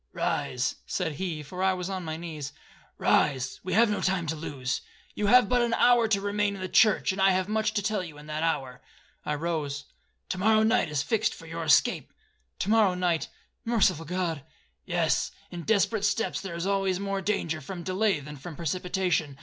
'Rise,' said he, for I was on my knees; 'rise,—we have no time to lose. You have but an hour to remain in the church, and I have much to tell you in that hour.' I rose. 'To morrow night is fixed for your escape.'—'To morrow night,—merciful God!'—'Yes; in desperate steps there is always more danger from delay than from precipitation.